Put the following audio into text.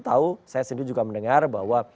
tahu saya sendiri juga mendengar bahwa